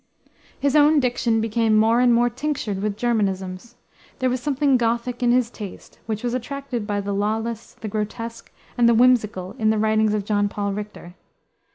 His own diction became more and more tinctured with Germanisms. There was something Gothic in his taste, which was attracted by the lawless, the grotesque, and the whimsical in the writings of Jean Paul Richter.